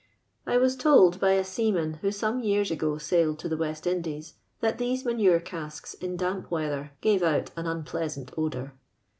I was told by a seaman who some ycni s ago sailed to tlie West Indies, that thi' so manure c:isks in damp weather gave (Hit an unpleasant odour.